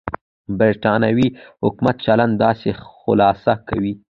برېټانوي حکومت چلند داسې خلاصه کوي.